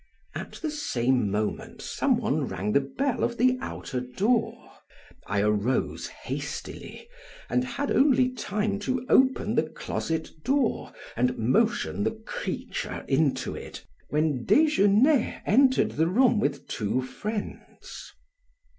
At the same moment some one rang the bell of the outer door. I arose hastily and had only time to open the closet door and motion the creature into it when Desgenais entered the room with two friends.